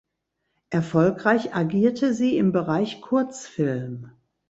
Erfolgreich agierte sie im Bereich Kurzfilm.